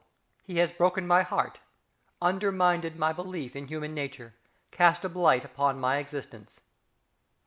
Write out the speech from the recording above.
He has broken my heart, undermined my belief in human nature, cast a blight upon my existence.